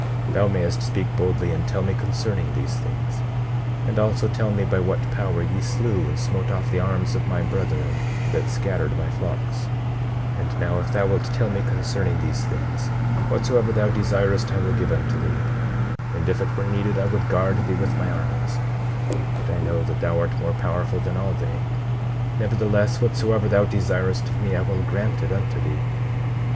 Thou mayest speak boldly, and tell me concerning these things; and also tell me by what power ye slew and smote off the arms of my brethren that scattered my flocks— 18:21 And now, if thou wilt tell me concerning these things, whatsoever thou desirest I will give unto thee; and if it were needed, I would guard thee with my armies; but I know that thou art more powerful than all they; nevertheless, whatsoever thou desirest of me I will grant it unto thee.